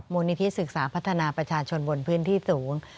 มูลนิธิศึกษาพัฒนาประชาชนบนพื้นที่สูง